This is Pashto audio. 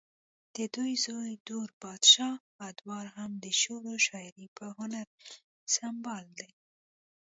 ددوي زوے دور بادشاه ادوار هم د شعرو شاعرۍ پۀ هنر سنبال دے